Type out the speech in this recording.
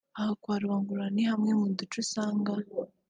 Aha kwa Rubangura ni hamwe mu duce usanga